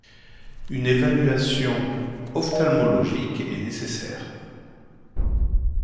Une évaluation ophtalmologique est nécessaire.